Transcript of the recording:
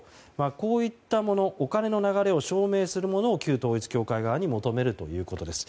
こういったものお金の流れを証明するものを旧統一教会側に求めるということです。